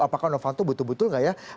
apakah novanto betul betul nggak ya